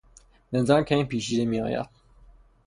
به نظرم کمی پیچیده میآید.